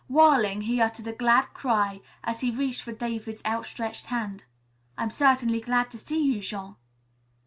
Whirling, he uttered a glad cry as he reached for David's outstretched hand. "I'm certainly glad to see you, Jean."